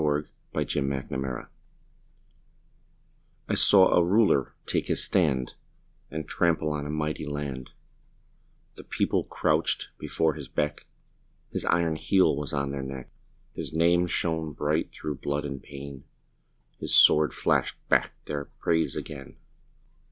VERSE: THE THREE RULERS I saw a Ruler take his stand And trample on a mighty land; The People crouched before his beck, His iron heel was on their neck, His name shone bright through blood and pain, His sword flashed back their praise again.